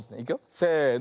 せの。